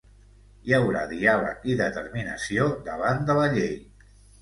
Hi haurà diàleg i determinació davant de la llei.